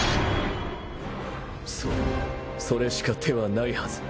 そうそれしか手はないはず。